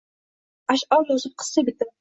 Аshʼor yozib, qissa bitib